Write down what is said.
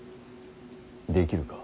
できるか。